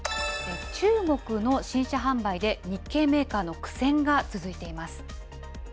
中国の新車販売で日系メーカーの苦戦が続いています。